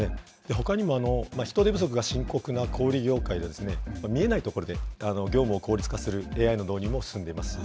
ほかにも人手不足が深刻な小売り業界ですね、見えないところで業務を効率化するＡＩの導入も進んでいます。